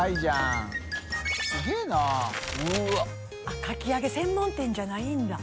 あっかき揚げ専門店じゃないんだ？